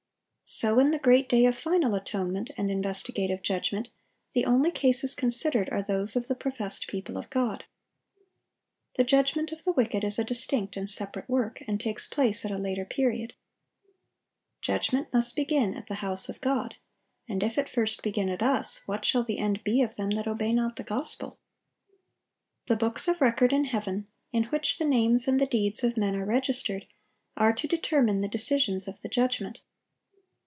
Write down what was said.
So in the great day of final atonement and investigative judgment, the only cases considered are those of the professed people of God. The judgment of the wicked is a distinct and separate work, and takes place at a later period. "Judgment must begin at the house of God: and if it first begin at us, what shall the end be of them that obey not the gospel?"(838) The books of record in heaven, in which the names and the deeds of men are registered, are to determine the decisions of the judgment.